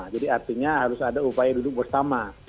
jadi artinya harus ada upaya duduk bersama